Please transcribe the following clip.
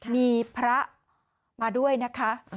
มีพระมาด้วยนะคะ